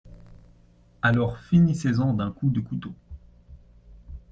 Alors finissez-en d'un coup de couteau.